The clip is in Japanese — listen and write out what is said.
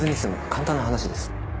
簡単な話です。